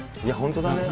本当だね。